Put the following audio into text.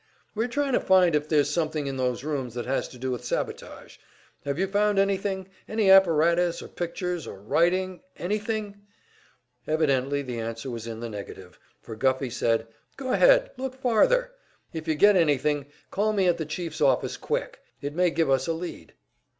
"We're trying to find if there's something in those rooms that has to do with sabotage. Have you found anything any apparatus or pictures, or writing anything?" Evidently the answer was in the negative, for Guffey said: "Go ahead, look farther; if you get anything, call me at the chief's office quick. It may give us a lead."